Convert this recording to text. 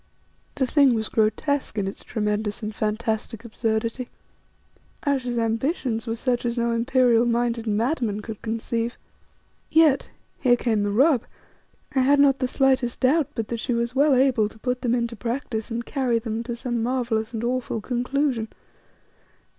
The thing was grotesque in its tremendous and fantastic absurdity; Ayesha's ambitions were such as no imperial minded madman could conceive. Yet here came the rub I had not the slightest doubt but that she was well able to put them into practice and carry them to some marvellous and awful conclusion.